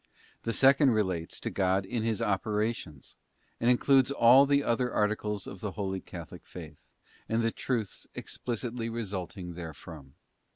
The second relates to God in His operations, and includes all the other articles of the Holy Catholic Faith, and the truths explicitly resulting therefrom.